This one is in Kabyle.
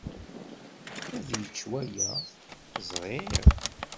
Ad yečč waya. Ẓriɣ.